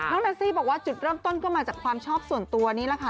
นาซี่บอกว่าจุดเริ่มต้นก็มาจากความชอบส่วนตัวนี้แหละค่ะ